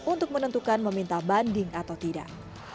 untuk menentukan meminta banding atau tidak